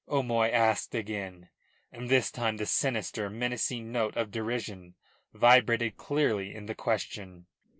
O'Moy asked again, and this time the sinister, menacing note of derision vibrated clearly in the question.